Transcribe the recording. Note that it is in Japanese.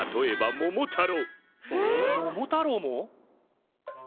桃太郎も？